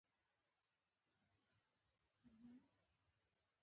د پرتې ډبرې سینه سورۍ ده.